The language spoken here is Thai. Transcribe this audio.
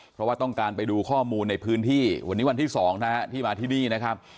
เพราะว่าต้องการไปดูข้อมูลในพื้นที่วันนี้วันที่๒นะฮะที่มาที่นี่นะครับ